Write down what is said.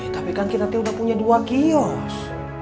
tapi kan kita teh udah punya dua kios